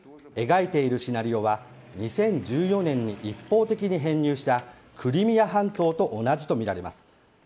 描いているシナリオは、２０１４年に一方的に編入した、クリミア半島と同じと見られます。